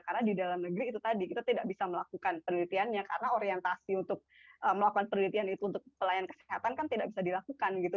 karena di dalam negeri itu tadi kita tidak bisa melakukan penelitiannya karena orientasi untuk melakukan penelitian itu untuk pelayan kesehatan kan tidak bisa dilakukan gitu